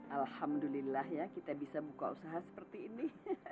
alhamdulillah ya kita bisa buka usaha seperti ini